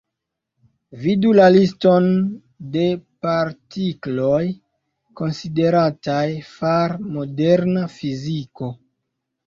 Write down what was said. Vidu la liston de partikloj, konsiderataj far moderna fiziko.